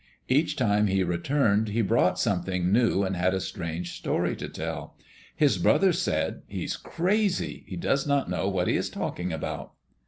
Each time he returned he brought something new and had a strange story to tell. His brothers said: "He is crazy. He does not know what he is talking about."